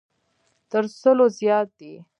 تر سلو زیات دی.